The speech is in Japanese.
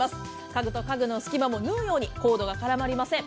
家具と家具の隙間もないようにコードが絡まりません。